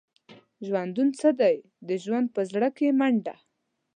ژوندون څه دی؟ د زمان په زړه کې منډه.